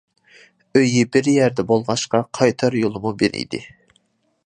ئۆيى بىر يەردە بولغاچقا قايتار يولىمۇ بىر ئىدى.